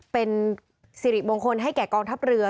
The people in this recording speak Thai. เป็นสิริมงคลให้แก่กองทัพเรือ